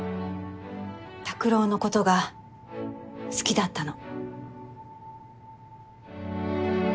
拓郎のことが好きだったの。